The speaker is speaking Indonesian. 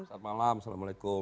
saat malam assalamualaikum